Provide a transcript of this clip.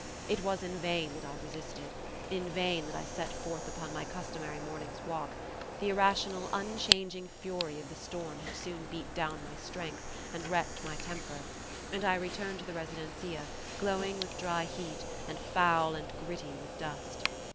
It was in vain that I resisted; in vain that I set forth upon my customary morning's walk; the irrational, unchanging fury of the storm had soon beat down my strength and wrecked my temper; and I returned to the residencia, glowing with dry heat, and foul and gritty with dust.